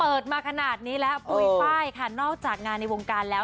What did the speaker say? มาขนาดนี้แล้วปุ๋ยป้ายค่ะนอกจากงานในวงการแล้ว